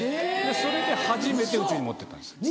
それで初めて宇宙に持ってったんです。